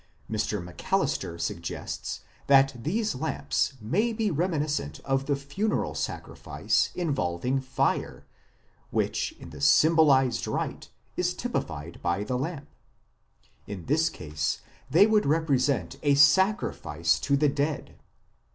Mr. Macalister suggests that these lamps may be reminiscent of the funeral sacrifice involving fire, which in the symbolized rite is typified by the lamp ; in this case they would represent a sacrifice to the dead.